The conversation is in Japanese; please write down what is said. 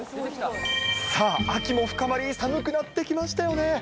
さあ、秋も深まり、寒くなってきましたよね。